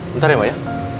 bentar ya mbak ya